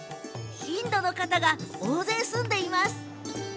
インドの方が大勢、住んでいます。